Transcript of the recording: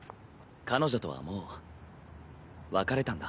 彼女とはもう別れたんだ。